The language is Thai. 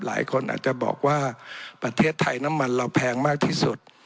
หลายคนอาจจะบอกว่าประเทศไทยน้ำมันเราแพงมากที่สุด